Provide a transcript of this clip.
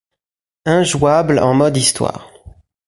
Injouable en mode Histoire.